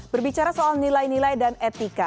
berbicara soal nilai nilai dan etika